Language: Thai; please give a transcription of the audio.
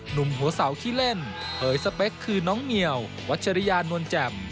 หนุ่มหัวเสาขี้เล่นเผยสเปคคือน้องเมียววัชริยานวลแจ่ม